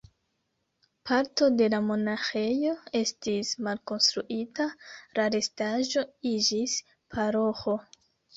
Parto de la monaĥejo estis malkonstruita, la restaĵo iĝis paroĥo.